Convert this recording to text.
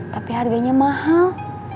tapi harganya mahal